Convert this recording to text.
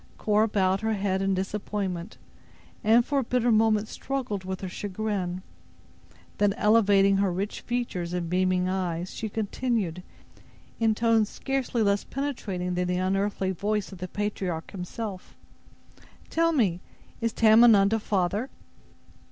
Cora bowed her head in disappointment, and, for a bitter moment struggled with her chagrin. Then, elevating her rich features and beaming eyes, she continued, in tones scarcely less penetrating than the unearthly voice of the patriarch himself: "Tell me, is Tamenund a father?"